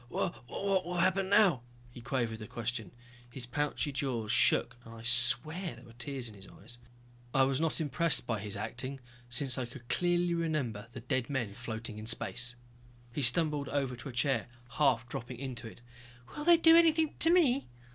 "What ... what will happen now?" He quavered the question. His pouchy jaws shook and I swear there were tears in his eyes. I was not impressed by his acting since I could clearly remember the dead men floating in space. He stumbled over to a chair, half dropping into it. "Will they do anything to me?"